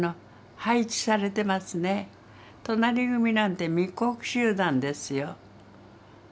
隣組なんて密告集団ですよ。